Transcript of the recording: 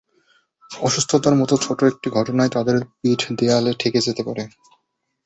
অসুস্থতার মতো ছোট একটি ঘটনায় তাদের পিঠ দেয়ালে ঠেকে যেতে পারে।